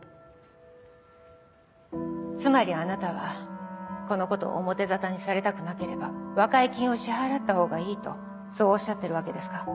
つまりあなたはこのことを表沙汰にされたくなければ和解金を支払った方がいいとそうおっしゃってるわけですか？